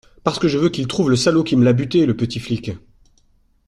Parce que je veux qu’il trouve le salaud qui me l’a buté, le petit flic.